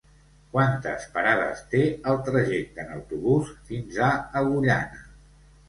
Quantes parades té el trajecte en autobús fins a Agullana?